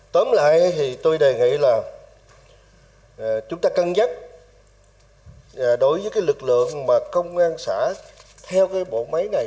tóm lại thì tôi đề nghị là chúng ta cân dắt đối với cái lực lượng mà công an xã theo cái bộ máy này